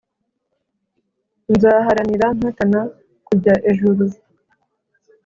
nzaharanira mpatana kujya ejuru